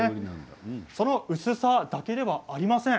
その薄さだけではありません。